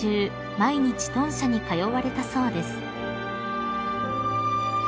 毎日豚舎に通われたそうです］